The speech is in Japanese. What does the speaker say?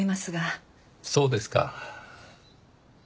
そうですか。